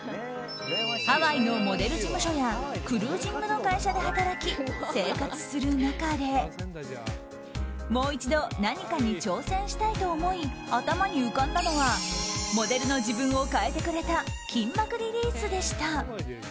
ハワイのモデル事務所やクルージングの会社で働き生活する中でもう一度何かに挑戦したいと思い頭に浮かんだのはモデルの自分を変えてくれた筋膜リリースでした。